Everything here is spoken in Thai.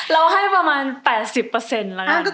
เราให้ประมาณ๘๐ละกัน